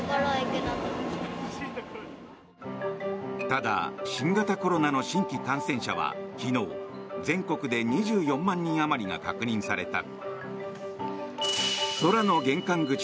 ただ新型コロナの新規感染者は昨日、全国で２４万人あまりが確認された。